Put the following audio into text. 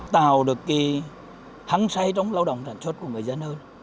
tạo được cái thắng say trong lao động sản xuất của người dân hơn